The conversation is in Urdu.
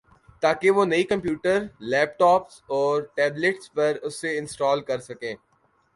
تاکہ وہ نئی کمپیوٹر ، لیپ ٹاپس اور ٹیبلٹس پر اسے انسٹال کر سکیں